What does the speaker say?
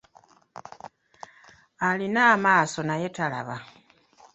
Alina amaaso naye talaba.